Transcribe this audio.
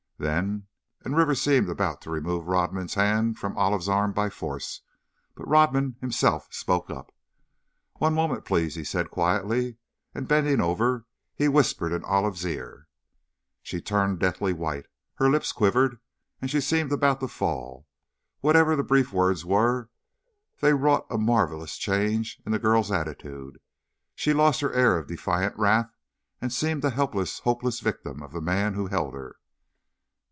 "Then " and Rivers seemed about to remove Rodman's hand from Olive's arm by force, but Rodman himself spoke up: "One moment, please," he said, quietly, and bending over, he whispered in Olive's ear. She turned deathly white, her lips quivered, and she seemed about to fall. Whatever the brief words were, they wrought a marvelous change in the girl's attitude. She lost her air of defiant wrath, and seemed a helpless, hopeless victim of the man who held her.